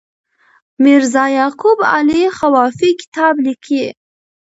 میرزا یعقوب علي خوافي کتاب لیکي.